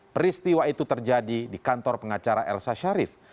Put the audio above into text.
peristiwa itu terjadi di kantor pengacara elsa sharif